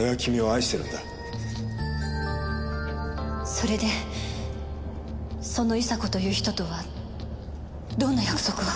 それでその伊沙子という人とはどんな約束を？